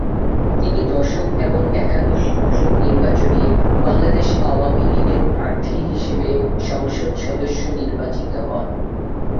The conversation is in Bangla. তিনি দশম এবং একাদশ সংসদ নির্বাচনে বাংলাদেশ আওয়ামী লীগ-এর প্রার্থী হিসেবে সংসদ সদস্য নির্বাচিত হন।